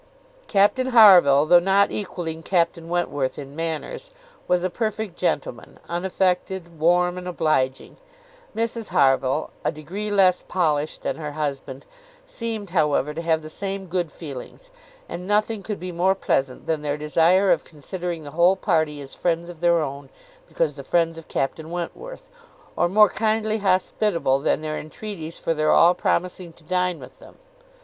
Captain Harville, though not equalling Captain Wentworth in manners, was a perfect gentleman, unaffected, warm, and obliging. Mrs Harville, a degree less polished than her husband, seemed, however, to have the same good feelings; and nothing could be more pleasant than their desire of considering the whole party as friends of their own, because the friends of Captain Wentworth, or more kindly hospitable than their entreaties for their all promising to dine with them.